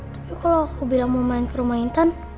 tapi kalau aku bilang mau main ke rumah intan